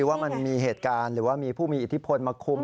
ว่ามันมีเหตุการณ์หรือว่ามีผู้มีอิทธิพลมาคุม